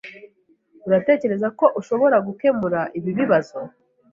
Uratekereza ko ushobora gukemura ibi bibazo?